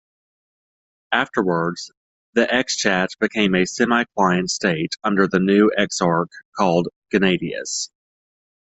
Afterwards the Exarchate became a semi-client state under a new Exarch called Gennadius.